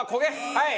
はい！